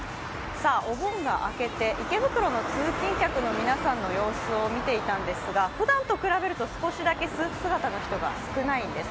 お盆が明けて、池袋の通勤客の皆さんの様子を見ていたんですがふだんと比べると少しだけスーツ姿の人が少ないんです。